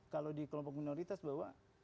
kalau di kelompok minoritas bahwa